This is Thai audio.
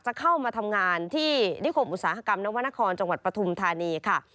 จะเข้ามาทำงานที่นิคมอุตสาหกรรมนวรรณครจังหวัดปฐุมธานีค่ะ